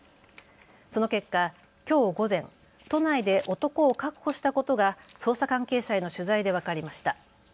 その結果、きょう午前、都内で男を確保したことが捜査関係者への取材で分かりました。